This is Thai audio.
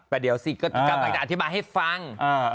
ก็เดี๋ยวสิก็อธิบายให้ฟัง